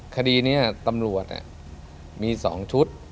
คดีเนี่ยตำรวจเนี่ยมีสองชุด